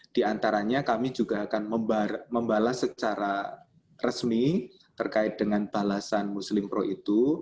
di antaranya kami juga akan membalas secara resmi terkait dengan balasan muslim pro itu